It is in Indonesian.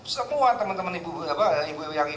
semua temen temen ibu ibu